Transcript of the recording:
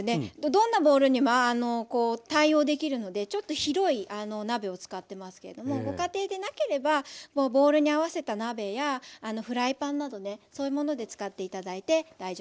どんなボウルにも対応できるのでちょっと広い鍋を使ってますけれどもご家庭でなければボウルに合わせた鍋やフライパンなどねそういうもので使って頂いて大丈夫です。